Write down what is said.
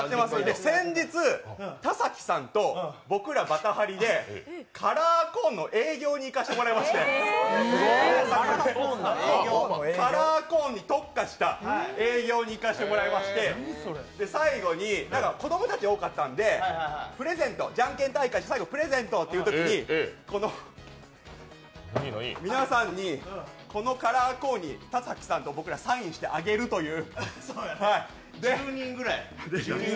先日、田崎さんと僕らバタハリでカラーコーンの営業に行かせてもらいまして、カラーコーンに特化した営業に行かせてもらいまして最後に、子供たちが多かったんで、じゃんけん大会でプレゼントっていうときに皆さんにこのカラーコーンに田崎と僕らサインしてあげるという。